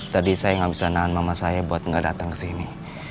tadi saya gak bisa nahan mama saya buat gak datang kesini